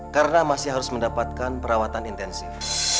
karena masih harus mendapatkan perawatan intensif